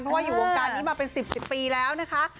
เพราะว่าอยู่วงการนี้มาเป็น๑๐ปีแล้วนะคะ